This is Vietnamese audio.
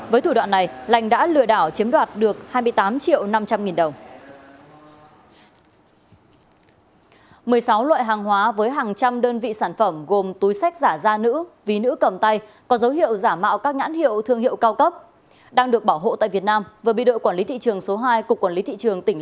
với thủ đoạn này lành đã lừa đảo chiếm đoạt được hai mươi tám triệu năm trăm linh nghìn đồng